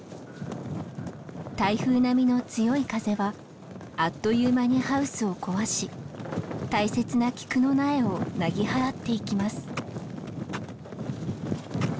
台風並みの強い風はあっという間にハウスを壊し大切なキクの苗をなぎ払っていきます。